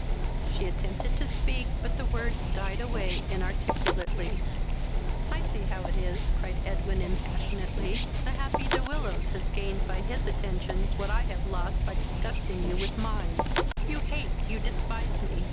She attempted to speak, but the words died away inarticulately. "I see how it is, (cried Edwin impassionately;) the happy De Willows has gained by his attentions what I have lost by disgusting you with mine: you hate, you despise me.